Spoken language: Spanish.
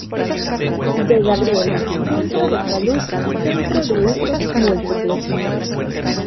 De Gabriel, Centro de Salud y Centro de Usos Múltiples.